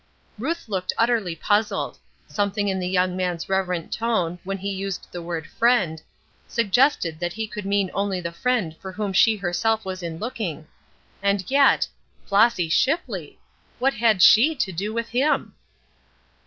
Ruth looked utterly puzzled. Something in the young man's reverent tone, when he used the word "Friend," suggested that he could mean only the Friend for whom she herself was in looking; and yet Flossy Shipley! What had she to do with him?